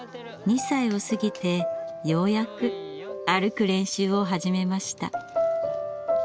２歳を過ぎてようやく歩く練習を始めました。